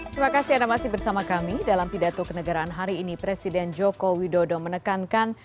terima kasih anda masih bersama kami dalam pidato kenegaraan hari ini presiden joko widodo menekankan